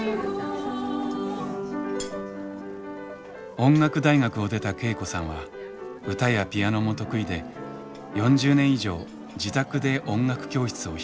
音楽大学を出た恵子さんは歌やピアノも得意で４０年以上自宅で音楽教室を開いていました。